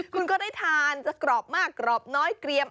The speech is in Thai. คุณก็ได้ทานจะกรอบมากกรอบน้อยเกลียม